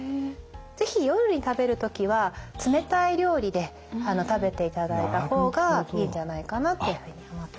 是非夜に食べる時は冷たい料理で食べていただいた方がいいんじゃないかなっていうふうに思ってます。